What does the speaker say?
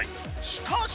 しかし！